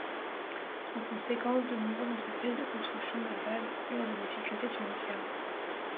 En conséquence, de nombreuses entreprises de construction navale eurent des difficultés financières.